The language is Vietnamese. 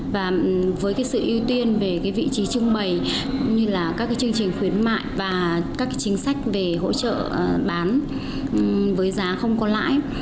và với sự ưu tiên về vị trí trưng bày như là các chương trình khuyến mại và các chính sách về hỗ trợ bán với giá không có lãi